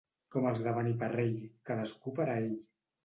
Com els de Beniparrell, cadascú per a ell.